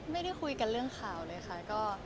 ไม่ได้คุยกันเรื่องข่าวเลยค่ะ